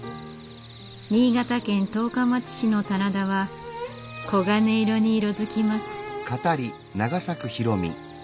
新潟県十日町市の棚田は黄金色に色づきます。